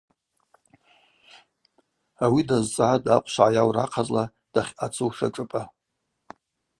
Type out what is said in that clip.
Ауи дазцӏгӏатӏ ахъвшв гӏайаура ахъазла дахьъацуш ашӏыпӏа.